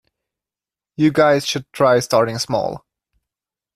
You guys should try starting small.